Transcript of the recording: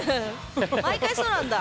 毎回そうなんだ。